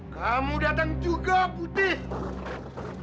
kamu datang juga putih